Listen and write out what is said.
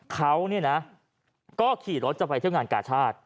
เขาก็ขี่รถจะไปเที่ยวงานกาชาติ